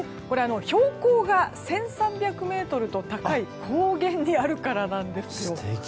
標高が１３００ｍと高い高原にあるからなんですよ。